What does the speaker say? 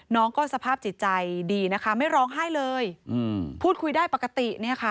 น้องก็สภาพจิตใจดีไม่ร้องไห้เลยพูดคุยได้ปกติ